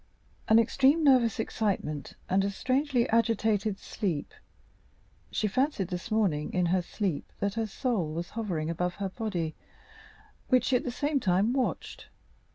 "An extreme nervous excitement and a strangely agitated sleep; she fancied this morning in her sleep that her soul was hovering above her body, which she at the same time watched.